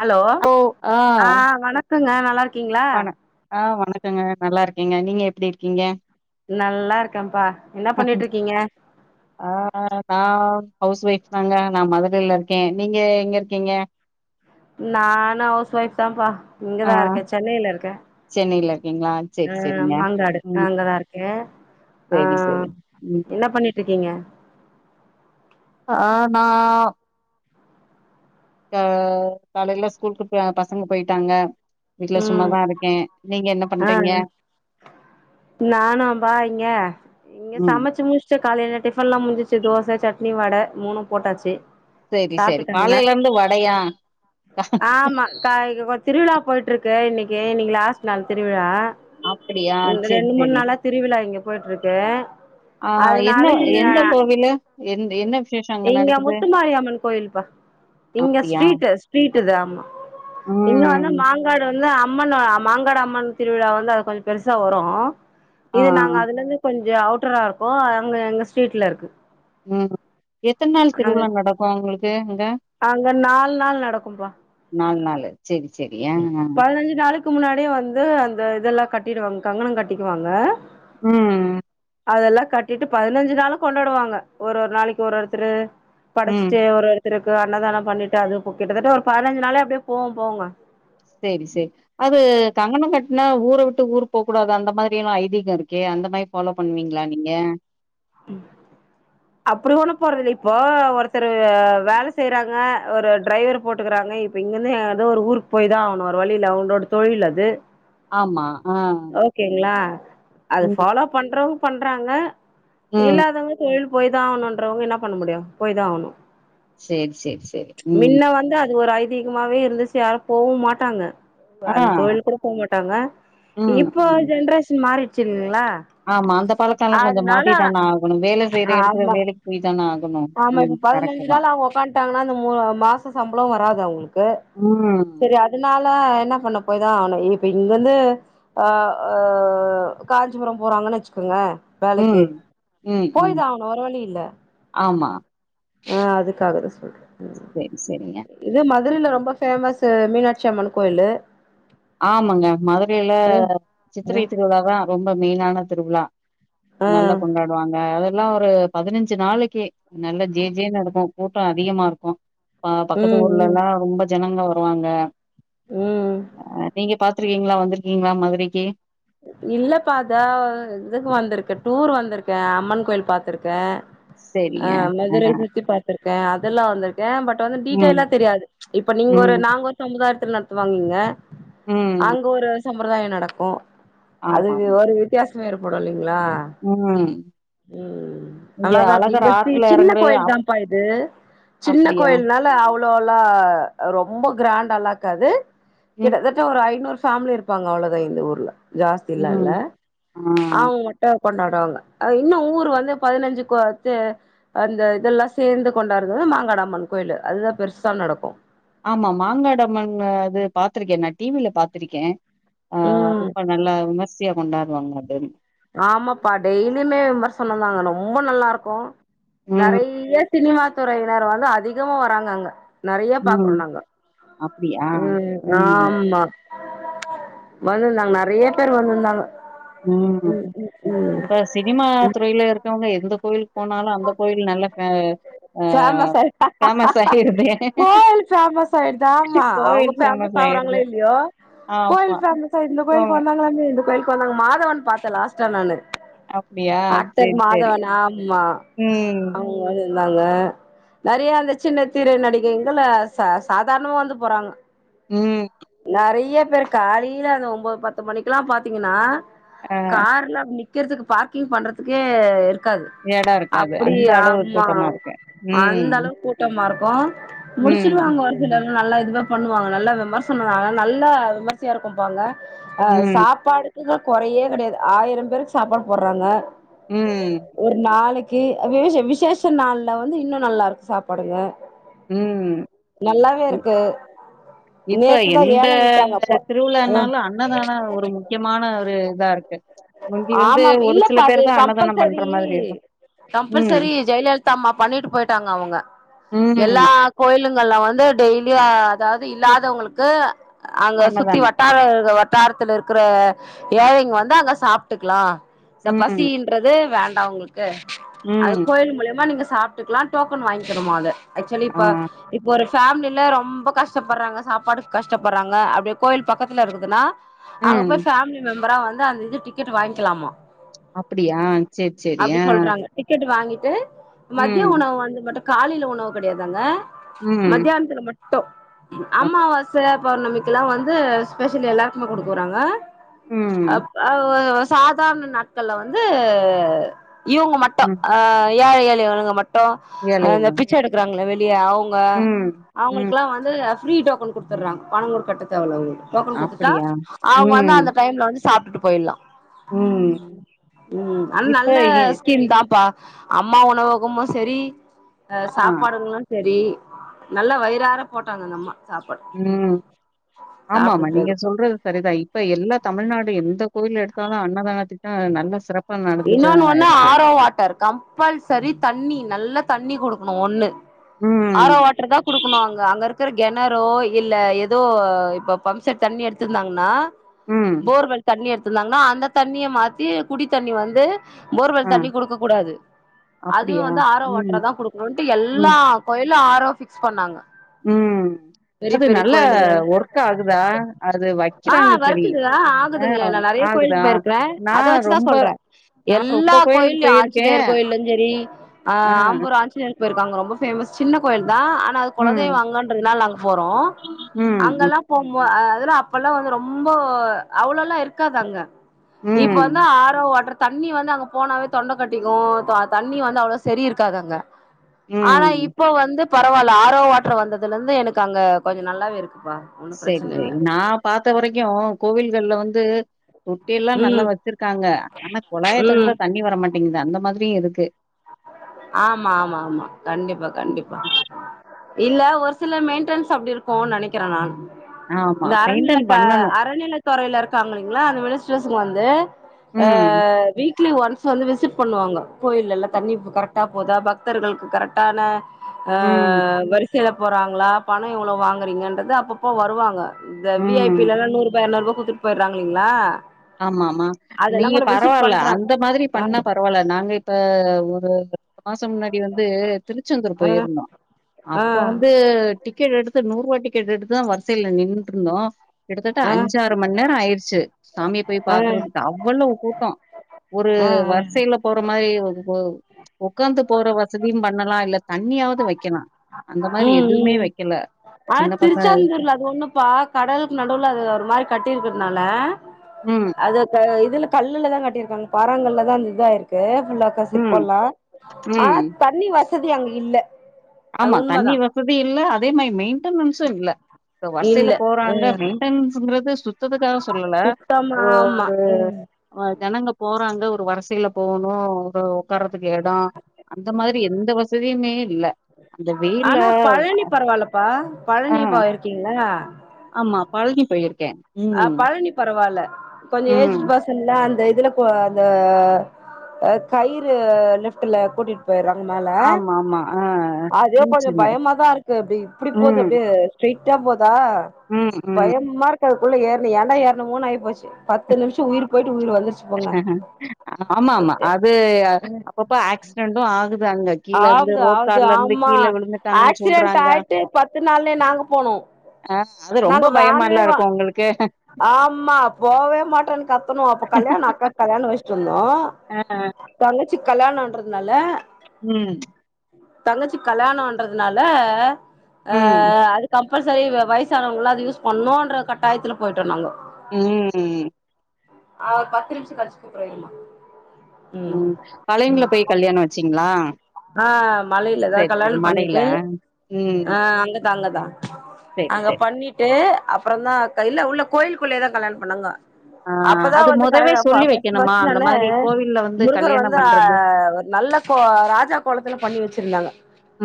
Hello ஆ வணக்கங்க நல்லா இருக்கீங்களா வண ஆ வணக்கங்க நல்லா இருக்கேங்க நீங்க எப்டி இருக்கீங்க நல்லா இருக்கேம்ப்பா என்ன பண்ணிட்டு இருக்கீங்க ஆ நா ஹவுஸ் ஒய்ஃப் தாங்க நா மதுரையில இருக்கே நீங்க எங்க இருக்கீங்க நானு ஹவ்ஸ் ஒய்ஃப் தாம்ப்பா இங்கதா இருக்கே சென்னையில இருக்கே சென்னையில இருக்கீங்களா செரி ம் செரிங்க மாங்காடு ம் அங்கதா இருக்கே ஆ செரி செரி ம் என்ன பண்ணிட்டு இருக்கீங்க ஆ நா கா காலையில ஸ்கூலுக்கு ப்ப பசங்க பேயிட்டாங்க வீட்ல ம் சும்மாதா இருக்கே நீங்க என்ன பண்றீங்க நானு அம்பா இங்க இங்க ம் சமச்சு முடுச் ச்சுட்டு காலையில டிஃபன் எல்லா முடிச்சு தோச சட்னி வட மூணு போட்டாச்சு சேரி சேரி சாப்ட்டுட்டாங்க காலையில இருந்து வடயா ஆமா காய் ஒ திருவிழா போயிட்டு இருக்கு இன்னக்கி இன்னங்கி லாஸ்ட் நாள் திருவிழா அப்டியா இந்த செரி ரெண்ட் மூணு செரி நாளா திருவிழா இங்க போயிட்டு இருக்கு ஆ என்ன அதுனால இங்க எந்த கோவிலு எந் என்ன விசேஷோ அங்க நீங்க நடக்குது முத்துமாரியம்மன் கோயில்ப்பா இங்க அப்டியா ஸ்ட்ரீட்டு ஸ்ட்ரீட்டுது ஆமா இங்க ம். வந்து மாங்காடு வந்து அம் ம்மன் மாங்காடு அம்மன் திருவிழா வந்து அது கொஞ்சோ பெருசா வரு ஆ. இது நாங்க அதுல இருந்து கொஞ்சோ அவுட்டரா இருக்கோ அங்க எங்க ஸ்ட்ரீட்ல இருக்கு ம் எத்தன நாள் அங்க திருவிழா நடக்கு உங்களுக்கு அங்க அங்க நாலு நாள் நடக்கும்பா நால் நாளு சேரி சேரி பதினஞ்சு நாளுக்கு முன்னாடியே வந்து அந்த இதெல்லா கட்டிடுவாங் கங்கணோ கட்டிக்குவாங்க ம் அதெல்லா கட்டிட்டு பதினஞ்சு நாளு கொண்டாடுவாங்க ஒரு ஒரு நாளைக்கி ஒரு ஒருத்தரு ம். படச்சுட்டு ஒரு த்துருக்கு அன்னதானோ பண்ணிட்டு அது இப்ப கிட்டத்தட்ட ஒரு பதினஞ்சு நாளே அப்பிடியே போவு போவுங்க சேரி சேரி அது கங்கணோ கட்னா ஊர விட்டு ஊரு போக்கூடாது அந்த மாதிரி எல்லா ஐதீகோ இருக்கே அந்த மாரி ஃபாலோ பண்ணுவீங்களா நீங்க ம் அப்றோஒண்ண போறது இல்ல இப்போ ஒருத்தர் வேல செய்யறாங்க ஒரு டிரைவர் போட்டுக்கறாங்க இப்போ இங்கிருந்து ஏதோ ஒரு ஊருக்கு போயி தா ஆவனு வேற வழியில அவனோட தொழில் அது ஆமா ஆ. ஓகேங்களா அது ம். ஃபாலோ பண்றவங்க பண்றாங்க ம். இல்லாதவ்க தொழில் போய்தா ஆவணுன்றவங்க என்ன பண்ண முடியு போய் தா ஆவ்ணு சரி, சரி, சரி. ம். மின்ன வந்து அது ஒரு ஐதி கமாவே இருந்துச்சு யாரு போவு மாட்டாங்க ஆ. அந்த தொழில் கூட போ மாட்டாங்க ம், இப்போ ம். ஜென்ரேஷன் மாறிச்சு ங்களா ஆமா அந்த பழக்கல்லா கொஞ்சோ மாத்தி தான ஆகணு வேல செய்யற எடத்துல ஆமா வேலக்கி பேய் தானே ஆகணு ஆமா இப்ப பதினஞ்சு நாள் அவங்க உக்காட்டாங்கன்னா அந்த ம மாசோ சம்பளோ வராது அவ்ங்களுக்கு ம் அதனால என்ன பண்ண போய்தா ஆணு இப்ப இங்வந்து அ அ காஞ்சிபுரம் போறாங்கன்னு வச்சுக்கோங்க வேலைக்கு ம். ம், ம். போய்தா ஆகனு வேற வழி இல்ல ஆமா ஆ அதுக்காக தா சொல்றே செரி செரிங்க இது மதுரையில ம் ரொம்ப ஃபேமஸ் மீனாட்சி அம்மன் கோயிலு ஆமாங்க மதுரையில அ சித்திரை திருவிழா தா ரொம்ப மெயினான திருவிழா ஆ நல்லா கொண்டாடு வாங்க அதெல்லா ஒரு பதினஞ்சு நாளைக்கு நல்லா ஜே ஜேன்னு நடக்கும் கூட்டம் அதிகமா இருக்கு அ பக்கத்து ம் ம் ஊர்லல்லா ரொம்ப ஜனங்க வருவாங்க ம் அ நீங்க பாத்துருக்கீங்களா வந்திருக்கீங்களா மதுரைக்கு இல்லப்பா அத இதுக்கு வந்திருக்கே டூர் வந்திருக்கே அம்மன் கோயில் பாத்திருக்கே ஆ செரிங்க மதுரை ஆ சுத்தி பாார்த்திருக்கே அதெல்லா வந்திருக்கே பட் வந்து ம் டீட்டெய்லா தெரியாது இப்ப நீங்க ஒரு ம் நாங்க ஒரு சமுதாயத்து நடத்துவாங்கங்க ம் அங்க ஒரு சம்முர்தாய நடக்கும் அது ஆமா ஆமா ஒரு வித்தியாசம் ஏற்படும் இல்லைங்களா ம் ம் இங்க நல்லாதா இருக்கு அழகர் இப்ப ஆத்துல சின்ன எறங்குற கோயில் அப் தான்ப்பா இது சின்ன அப்டியா கோயில்னால அவ்ளோல்லா ரொம்ப கிராண்டல்லா இக்காது ம் கிட்டத்தட்ட ஒரு ஐநூறு ஃபேமிலி இருப்பாங்க அவ்வளதா இந்த ஊர்ல ஜாஸ்திலா ம் இல்ல ஆ ஆமங் கொண்டாடுவாங்க இன்னு ஊர் வந்து பதினஞ்சு கோ த்து அந்த இதெல்லா சேர்ந்து கொண்டாறது மாங்கடம்மன் கோயிலு அதுதா பெருசா நடக்கும் ஆமா மாங்காடு அம்மன் பாத்துருக்கே நான் டிவில பாத்திருக்கே ஆ ம் ரொம்ப நல்லா விமர்சையா கொண்டாடுவாங்க அது ஆமாப்பா டெய்லியுமே விமர்சனந்தா ரொம்ப நல்லா இருக்கு ம் நெறைய சினிமா துறையினர் வந்து அதிகமா வராங்க அங்க நறைய பாக்குறோ ம் நாங்க அப்டியா ம் ஆமா வந்திருந்தாங்க நறைய பேர் வந்திருந்தாங்க ம் இப்ப சினிமா துறையில இருக்கவங்க எந்த கோயில் போனாலு அந்த கோயில் நல்ல ஃபா ஃபேமஸ் ஆய் கோயில் பேமஸ் ஆயிடுதா ஆமா அவங்க கோவில் ஃபேமஸ் ஆகுறாங்களோ ஆயிருது இல்லையோ கோயில் ஆமா ஃபேமஸா இந்த கோவ கோயிலுக்கு வந்தாங்களாமே இந்த கோயிலு இப்ப நா மாதவன் பாத்தன் லாஸ்டா நானு அப்டியா ஆக்டர் சேரி சேரி மாதவன் ஆமா ம் ஆமா ங்க நறைய அந்த சின்ன திரை நடிகைங்கள் சாதாரணமா வந்து போறாங்க ம் நறைய பேர் காலையில அந்த ஒம்போது பத்து மணிக்கு எல்லா பாத்தீங்கன்னா ஆ கார்ல நிக் கிறத்துக்கு பார்க்கிங் பண்றதுக்கே இரு க்காது எடோ இருக்காது அப்படி அந்த அளவு ஆமா கூட்டமா இருக்கு ம் அந்த அளவு கூட்டமா இருக்கு ம் முடிச்சிடுவாங்க ஒரு சிலரு நல்லா இதுவா பண்ணுவாங்க நல்லா விமர்சனம் நல்லா விமர்சையா இருக்கும்ப்பா அங்க அ ம் சாப்பாடுக்கு தா கொறையே கிடையாது ஆயிரம் பேருக்கு சாப்பாடு போட்றாங்க ம் ஒரு நாளைக்கு விவ விசேஷ நாள்ல வந்து இன்னும் நல்லா இருக்கு சாப்பாடுங்க ம் நல்லாவே இ இருக்கு இப்ப நேத்துதா எந்த ஏல விட்டாங்க அப்போ அ திருவிழானாலு அன்னதான ஒரு முக்கியமான ஒரு இதா இருக்கு முந்தி வந்து ஆமாம் ஒரு சில இல்லப்பா அது பேரு தா அன்னதானம் கம்பல்சரி பண்ற மாதிரி இருக்கும் கம்பல்சரி ஜெயலலிதா அம்மா பண்ணிட்டு போயிட்டாங்க அவுங்க ம் கோயிலுங்கள்ல வந்து டெய்லியு அதாவது இல்லாதவுங்களுக்கு அங்க சுத்தி அன்னதானம் வட்டார இருக்கற வட்டாரத்துல இருக்கற ஏழைங்க வந்து அங்க சாப்ட்டுக்லா ச ம் பசின்றது வேண்டா உங்களுக் கு அது ம் கோயில் மூலியமா நீங்க சாப்ட்டுக்கலா டோக்கன் வாங்கிகுணுமா அது ஆ ஆக்சுவலிப்பா இப்ப ஒரு ஃபேமிலியில ரொம்ப கஷ்டப்பட்றாங்க சாப்பாடுக்கு கஷ்டப்பட்றாங்க அப்டே கோயில் பக்கத்துல இருக்குதுன்னா அங்க ம் போயி ஃபேமிலி மெம்பரா வந்து அந்த இது டிக்கெட் வாங்கிக்கலாமா அப்பிடியா சேர் சேரி அப்டி அ சொல்றாங்க டிக்கெட் வாங்கிட்டு மதிய உணவு வந்து மட்டு காலைல உணவு கடையாது அங்க ம் மத்தியானத்துல மட்டு அப் அம்மாவாச பெளர்ணமி க்குலா வந்து ஸ்பெஷல் எல்லாருக்மே குடுக்கறாங்க ம் அப் அ வ சாதாரண நாட்கள்ள வந்து இவுங்க மட் டு ம் அ ஏழை எளியவங்கள் மட்டு ஏழைல அந்த பிச்ச எடுக்கறாங்கல்ல வெ ளிய அவுங்க ம் ம் அவுங்களுக்கெல்லா வந்து ஃப்ரீ டோக்கன் குடுத்துட்றாங்க பணம் கூட கட்ட தேவ இல்ல அவுங்க டோக்கன் குடுத்துட்டா அப்டியா அவுங்க வந்து ம் அந்த டைம்ல வந்து சாப்ட்டுட்டு போயிட்லா ம் ம் ஆனா இப்ப நல்ல ஏ ஸ்கீம் தாம்ப்பா அம்மா உணவகமு செரி அ ஆ சாப்பாடுங்குளு செரி நல்லா வயிறார போட்டாங்க அந்த அம்மா ம் ஆமா ஆமா சாப்டுட்டு நீங்க இருக்கோ சொல்றது சரிதா இப்ப எல்லா தமிழ்நாடு எந்த கோயில் எடுத்தாலு அன்னதான திட்டோ நல்ல சிறப் இன்னொன்னு ஒண்ணு ஆரோ வாட்டர் கம்பல்சரி தண்ணி நல்ல தண்ணி குடுக்கணு ஒண்ணு ம் ஆரோ வாட்டர் தா குடுக்கணு அங்க அங்க இருக் கற கெணரோ இல்ல ஏதோ இப்ப பம்ப் செட் தண்ணி எடுத்திருந்தாங்கன்னா ம் போர்வெல் தண்ணி எடுத்திருந்தாங்கன்னா அந்த தண்ணிய மாத்தி குடி தண்ணி வந்து போர்வல் ஆ தண்ணி குடுக்க கூடாது அதுவு அப்டியா வந்து ஆரோ ம் வாட்ரா தா குடுக்கணுன்ட்டு ம், எல்லா கோயில்ல ஆரோ ஃபிக்ஸ் பண்ணாங்க ம் பெரிய அது பெரிய நல்ல கோயிலுங்கள் ஒர்க் ஆகுதா அது வைக்கிறாங்க சரி ஆ இக்குதுங்ளே நா நறைய ஆகுதா? கோயிலுக் போயிருக்கற அத நான் வச்சுதா ரொம்ப சொல்றே நான் ரொம்ப எல்லா கோயிலுக்கு கோயிலயு போயிருக்கேன். ஆஞ்சநேயர் கோயில்ல செரி அ ஆ, ஆம்பூர் ஆஞ்சிநேயர் போயிருக்க அங்க ரொம்ப ஃபேமஸ் சின்ன கோயில் தா எனா அது ம், குலதெய்வோ அங்கன்றதுனால நாங்க போறோ ம், ம், அங்கெல்லா போம்போ அ அதுலா அப்ப எல்லா வந்து ரொம்போ அவ்ளோல்லா இருக்காது அங்க இப்ப ம், வந்து ஆ ரோ வாட்டர் தண்ணி வந்து அங்க போனாவே தொண்ட கட்டிக்கு தோ தண்ணி வந்து அவ்ளோவா சரி இருக்காது அங்க ஆனா ம். இப்ப வந்து பரவால்ல ஆரோவாட்ர் வந்ததுலந்து எனக்கு அங்க கொஞ்சோ நல்லாவே இருக்குப்பா ஒன்னு சேரி பிரச்சன இல்ல சேரி நா பாத்த வரைக்கு கோவில்கள்ல வந்து தொட்டி எல்லா நல்லா ம் வச்சிருக்காங்க ஆனா கொழாய ம் தொறந்தா தண்ணி வரமாட்டேங்குது அந்த மாதிரியு இதுக்கு ஆமா ஆமா ஆமா கண்டிப்பா கண்டிப்பா இல்ல ஒரு சில மெயின்டன்ஸ் அப்டி இருக்கு நெனைக்கிற நான் ஆமா, இந்த அறநில மெயின்டெயின் க பண்ணணும். அறநிலை த்தொறைல இருக்காங்ளீங்ளா அந்த மினிஸ்டர்ஸ்ங்க வந்து ஆ ம், வீக் லி ஒன்ஸ் வந்து விசிட் பண்ணுவாங்க கோயில்லல்லா தண்ணி கரெக்டா போதா பக்தர்களுக்கு கரெக்டான ஆ ம், வரிசைல போறாங்ளா பணோ எவ்ளோ வாங்றீங்கன்றது அப்பப்போ வருவாங்க இந்த வி ஐ பி ம். லல்லா நூறூபா எரநூறூபா குத்துட் போயட்றாங்கிள்ளீங்ளா ஆமாமாமா நீங்க பரவால்ல பண்றாங்க அந்த மாதிரி ஆ பண்ணா பரவால்ல நாங்க ப்ப ஒரு மாசோ முன்னாடி வந்து திருச்செந்தூர் ஆ போயிருந்தோ ஆ அப்ப வந்து டிக்கெட் எடுத்து நூறூவா டிக்கெட் எடுத்துதா வரிசையில நின்னுட்டுருந்தோ கிட்டத்தட்ட ஆ அஞ்சாறு மண்நேரோ ஆயிருச்சு சாமி ஆ பாக்குறதுக்கு அவ்வளவு கூட்டோ ஒரு ஆ ஆ வரிசை ல போற மாரி ஒ ஒக்காந்து போற வசதியு பண்ணலா இல்ல தண்ணியாவுது வைக்கலா ம் ம் ம் ஆ சின்ன பசங்க திருச்செந்தூர்ல அது ஒன்னுப்பா கடலுக் நடுவுல அது ஒரு மாரி கட்டிருக்றதுனால ம் அது க இதுல கல்லுலதா கட்டியிருக்காங்க பாறங்கள்ளா தா அந்த இதாயிருக்கு ஃபுல்லா க ம், சிற்பல்லா ஆ ம். தண்ணி வசதி அங்க இல்ல அது ஆமா தண்ணி உண்மதா வசதி இல்ல அதே மாரி மெயின்டனன்ஸு இல்ல இப்ப வரிசைல இல்ல போறாங்க ம் மெயின்டனன்ஸ்ங்றது சுத் தத்துகாக சொல்லல சுத்தமா ஒ ஆமா ஒரு ம் அ ஜனங்க போறாங்க ஒரு வரிசைல போகணு ஒரு ஒக்க ஒக்காறதுக்கு எடோ அந்த மாரி எந்த வசதியுமே இல்ல அந்த வெயில்ல ஆனா பழனி பரவாலப்பா ஆ பழனி போயிருக்கீங்ளா ஆமா பழனி போயிருக்கே அ ம் பழனி பரவால்ல கொஞ்ச ம் ஏஜ்ட்டு ஃபர்சன்ல்ல அந்த இதுல கூப்ட்டு வர்றாங்க அந்த அ கயிறு லிஃப்ட்டுல கூட்டிட் போய்றாங்க மேல ஆமா ஆமா ஆ அதே கொஞ்சோ இருந்துச்சுங்க பயமாதாருக்கு ப்டி இப்டி போது ம் அப்டியே ஸ்ட்ரெய்ட்டா போதா ம் ம் பயமா இருக்கு அதுக்குள்ள ஏறுன ஏன்டா ஏறுனமோன்னாயிப்போச்சு ஆமா ஆமா அது அப்பப்ப ஆக்ஸ்ரென்ட்டு ஆகு து அங்க கீழருந்து ஆவுது ரோப் ஆவுது கார்லருந்து ஆமா கீழ விழுந்துட்டாங்கன் ஆக்சிடென்ட் சொல்றாங்க ஆயிட்டு பத்து நாள்லயே நாங்க போனோ அ அது ரொம்ப நாங்க வேணவே வா பயமால்லருக்கு உங்ளுக்கு ஆமா போவே மாட்டேன் கத்துனோ அப்ப கல்யாண அக்காக் கல்யாண வச்சிட்ருந்தோ ஆ தங்கச்சிக் கல்யாணன்றதுனால ம் தங்கச்சிக் கல்யாணோன்றதுனால அ ம் அதுக்கம் இப்ப சரி வ வயசானவங்ளா அது யூஸ் பண்ணோன்ற கட்டாயத்துல போய்ட்டோ நாங்க ம் ம்ம் ஆ ஒரு பத்து நிம்ஷோ கழிச்சு கூப்புறே வைமா ம் பழனில போய் கல்யாணோ வச்சீங்ளா ஆ மலைலதா செரி கல்யாண செரி மடையில பண்ணிட்டு ம் ஆ அங்கதா அங்கதா செரி அங்க செரி பண்ணிட் டு அப்றோ தா கல் இல்ல உள்ள கோயிலுக்குள்ளயேதா கல்யாணம் பண்ணாங்க ஆ அப்பதா அது வந்து மொதவே கடவுள சொல்லி பாப் ஃபர்ஸ்ட் வைக்கணுமா ஃபர்ஸ்ட் அந்த வந்து மாதிரி கோவில்ல வந்து முருகர் கல்யாணோ வந்து ஆ பண்றது ஒரு நல்ல கோ ரா ராஜா கோலத்துல பண்ணி வச்சிருந்தாங்க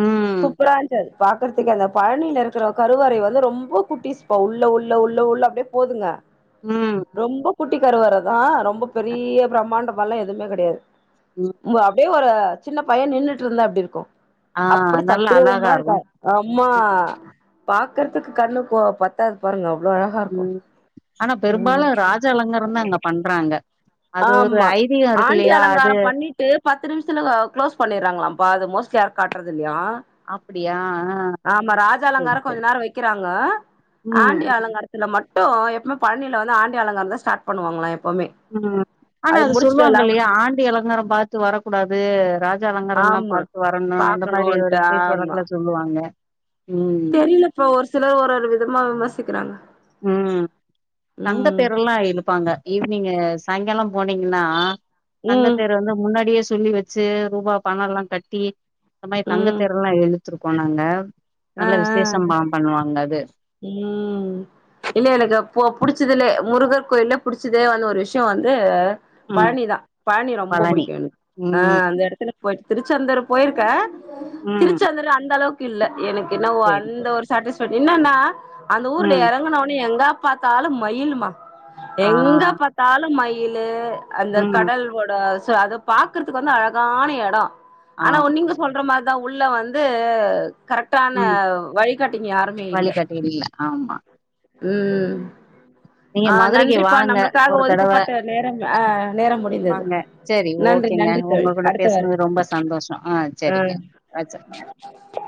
ம் சூப்பரா இருன்சு அது பாக்றதுக்கே அந்த பழனில இருக்குற கருவறை வந்து ரொம்ப குட்டிஸ் பா உள்ள உள்ள உள்ள உள்ள அப்டியே போதுங்க ம் ரொம்ப குட்டி கருவறதா ரொம்ப பெரிய பிரமாண்டமாலா எதுமே கெடையாது ம் ம்ப அப்டே ஒரு சின்ன பைய நின்னுட்ருந்தா எப்டி இருக்கு ஆ அப்டி நல்லா தத்ரூவ்மா அழகா இருக்கா இருக்கு ஆம்மா பாக்கறத்துக்கு கண்ணு கோ பத்தாது பாருங்க அவ்ளோ அழஹா இருக்கு ம் ஆனா ம் பெரும்பாலு ராஜ அலங்கரந்தா அங்க பண்றாங்க அது ஒரு ஐதீகோ இருக்கில்லயா அது டு பத்து நிம்ஷத்துல அ க்ளோஸ் பண்ணீர்றாங்களாம்பா அது மோஸ்ட்லி யாருக் காட்றதில்லயா அப்டியா ஆ ஆமா ராஜ செரி அலங்காரோ கொஞ்ச செரி நேரோ வெக்கிறாங்க ம் ஆண்டி ம் அலங்கார த்துல மட்டு எப்பமே பழ்னில வந்து ஆண்டி அலங்காரந்தா ஸ்டாட் பண்ணுவாங்களா எப் ம் ஆனா அது சொல்வாங்கில்லயா ஆண்டி அலங்காரோ பாத்து வரக்கூடாது ரா ஜ அலங்கரந்தா ஆமா பாத்து வரணு அந்த மாரி ஒரு பாக்கணுன்ட்டு பேச்சு ஆமா வழக்குல சொல்லுவாங்க ம் இப்போ ஒரு சிலர் ஒரு ஒரு விதமா விமர்சிக்கறாங்க ம் தங்க தேரெல்லா இழுப்பாங்க ஈவ்னிங்கு சாய்ங்காலோ போனீங்கன்னா ம் தங்கத்தேர வந்து முன்னாடியே சொல்லி வெச் சு ரூபா பணோலா கட்டி இந்த மாரி ம் தங்கத்தேரெல்லா இழுத்துருக்கோ நாங்க ஆ நல்ல ஆ விசேஷமா பண்வாங்க அது ம் இல்ல எனக்கு போ புடிச்சதுலே முருகர் கோயில்ல புடிச்சதே வந்து ஒரு விஷ்யோ வந்து ம். பழனிதா பழனி ரொம்ப புடிக்கு எனக்கு ஆ ம். அந்த எடத்துல போய்ட்டு திருச்செந்தூர் போய்ருக்கே ம். திருச்சந்தூர் அந்தளவுக் இல்ல எனக் என்னவோ சரி, அந்த சரி. ஒரு சேட்டிஸ்ஃபேக்ட் இன்னன்னா அந்த ஊர்ல ம். எறங்குன உட்னே எங்க பாத்தாலு மயிலுமா ஆ. எங்க பாத் தாலு மயிலு அந்த ம். கடல் ஓட சு அது பாக்கறத்துக்கு வந்து அழகான எடோ ஆனா ஆமா. ஒன் நீங்க சொல்ற மார் தா உள்ள வந்து கரெக்ட் டானா ம். வழிகாட்டிங் யாருமே இல்ல வழிகாட்டி இல்ல. ஆமா. ம் நீங்க ஆ மதுரைக்கு நன்றிப்பா வாங்க நம்ளுக்காக ஒரு தடவ ஒதுக்கப்பட்ட நேரம் அ நேரம் முடிந்தது செரி நன்றி ஓகேங்க நன்றி தோழி உங்க கூட அடுத்த வாரம் பேஸ்னது ரொம்ப சந்தோஷோ ஆ செரிங்க வச்சர்ரங்க [unintelligible]